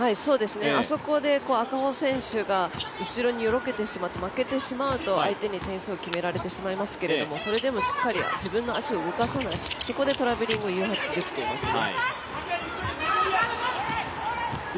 あそこで赤穂選手が後ろによろけてしまって負けてしまうと、相手に点数を決められてしまいますけどそれでも、しっかり自分の足を動かさないそこでトラベリングを誘発できていますね。